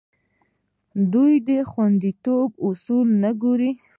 آیا دوی د خوندیتوب اصول نه ګوري؟